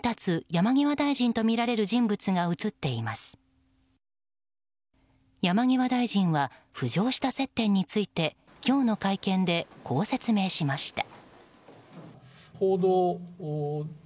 山際大臣は浮上した接点について今日の会見でこう説明しました。